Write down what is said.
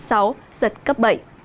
giật cấp bảy